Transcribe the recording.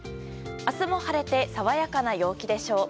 明日も晴れて爽やかな陽気でしょう。